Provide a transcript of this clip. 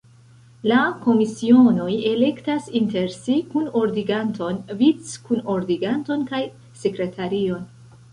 La komisionoj elektas inter si kunordiganton, vic-kunordiganton kaj sekretarion.